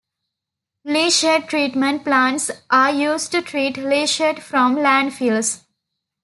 Leachate treatment plants are used to treat leachate from landfills.